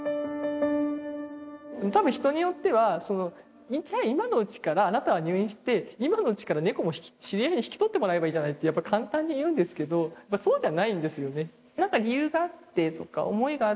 多分人によってはじゃあ今のうちからあなたは入院して今のうちから猫も知り合いに引き取ってもらえばいいじゃないって簡単に言うんですけどそうじゃないんですよね。